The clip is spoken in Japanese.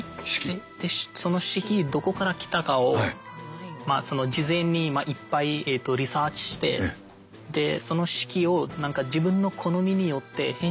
その式どこから来たかを事前にいっぱいリサーチしてその式を自分の好みによって編集してるんですよ。